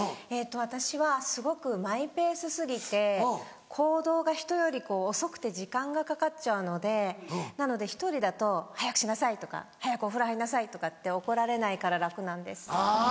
私はすごくマイペース過ぎて行動が人より遅くて時間がかかっちゃうのでなので１人だと「早くしなさい」とか「早くお風呂に入りなさい」って怒られないから楽なんです。